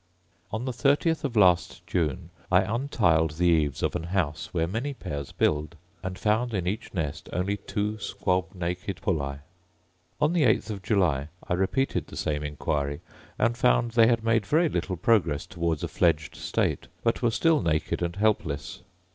On the thirtieth of last June I untiled the eaves of an house where many pairs build, and found in each nest only two squab naked pulli: on the eighth of July I repeated the same inquiry, and found they had made very little progress towards a fledged state, but were still naked and helpless.